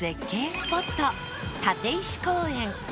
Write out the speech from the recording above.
スポット立石公園